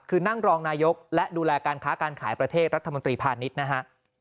คือนั่งรองนายกและดูแลการค้าการขายประเทศรัฐมนตรีพาณิชย์นะฮะ